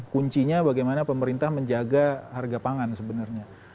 kuncinya bagaimana pemerintah menjaga harga pangan sebenarnya